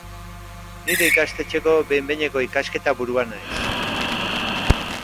Nire ikastetxeko behin-behineko ikasketa-burua naiz.